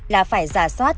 là phải giả soát